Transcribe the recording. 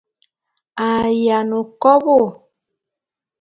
A yiane kobô.